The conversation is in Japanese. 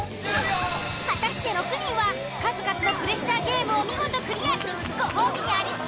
［果たして６人は数々のプレッシャーゲームを見事クリアしご褒美にありつけるのか？］